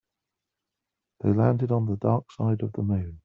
They landed on the dark side of the moon.